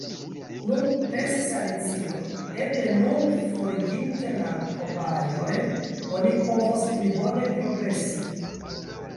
"Nu," pensis Alicio, "eble nun, foriginte la kobajojn, oni povos pli bone progresi."